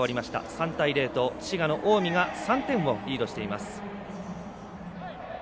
３対０と滋賀の近江が３点をリードしています。